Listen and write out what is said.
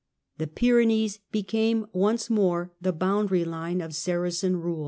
The Pyrenees became once more the boundary line of Saracen rule.